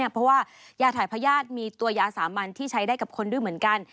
เพราะว่ายาถ่ายพญาติมีตัวยาสามัญที่ใช้ได้กับคนด้วยเหมือนกัน